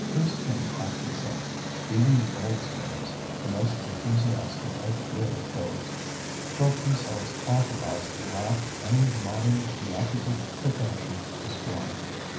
Grace King aptly says "even the old slaves, the most enthusiastic of theatre goers, felt themselves authorized to laugh any modern theatrical pretension to scorn."